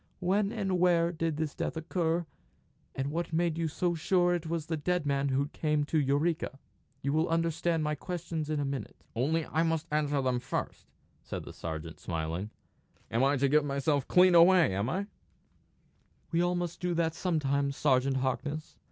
When and where did this death occur, and what made you so sure that it was the dead man who came to Eureka? You will understand my questions in a minute." "Only I must answer them first," said the sergeant, smiling. "I am to give myself clean away, am I?" "We must all do that sometimes, Sergeant Harkness.